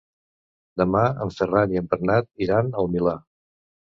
Demà en Ferran i en Bernat iran al Milà.